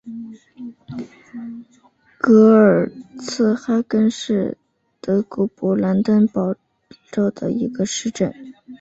格尔茨哈根是德国勃兰登堡州的一个市镇。